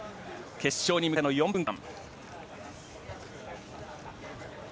決勝に向けての４分間。